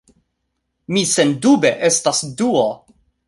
Mi sendube estas Duo!